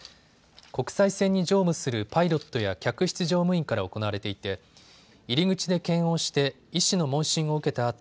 国際線に乗務するパイロットや客室乗務員から行われていて入り口で検温して、医師の問診を受けた